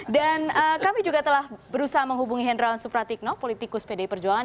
dan kami juga telah berusaha menghubungi hendraan supratikno politikus pdi perjualan